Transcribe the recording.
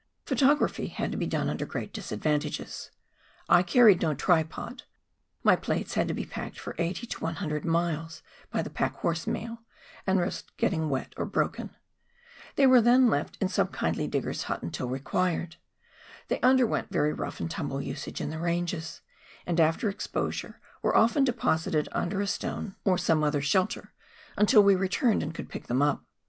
Photography had to be done under great disadvantages. I carried no tripod ; my plates had to be packed for 80 to 100 miles by the packhorse mail, and risked getting wet or broken ; they were then left in some kindly digger's hut until required ; they underwent very rough and tumble iisage in the ranges ; and after exposure were often deposited under a stone or some 298 PIONEEK WORK IN THE ALPS OF NEW ZEALAND. other shelter, until we returned and could pick them up.